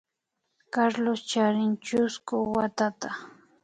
Carlos charin chusku watata